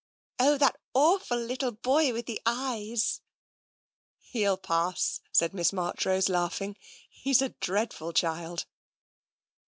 " Oh, that awful little boy with the eyes !"" He'll pass," said Miss Marchrose, laughing. " He's a dreadful child."